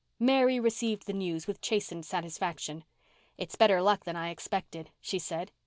Mary received the news with chastened satisfaction. "It's better luck than I expected," she said.